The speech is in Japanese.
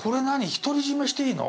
ひとり占めしていいの？